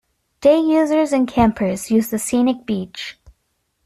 Day users and campers use the scenic beach.